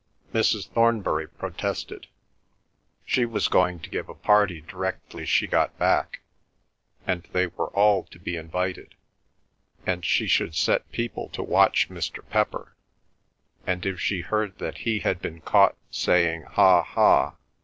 Mrs. Thornbury protested. She was going to give a party directly she got back, and they were all to be invited, and she should set people to watch Mr. Pepper, and if she heard that he had been caught saying "Ha! ha!"